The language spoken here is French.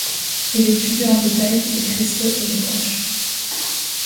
Il étudie en détail les cristaux et les roches.